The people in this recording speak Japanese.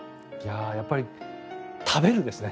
やっぱり食べるですね。